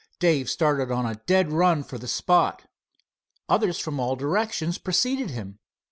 Dave started on a dead run for the spot. Others from all directions preceded him.